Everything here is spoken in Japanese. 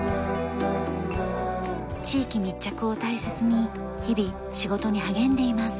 地域密着を大切に日々仕事に励んでいます。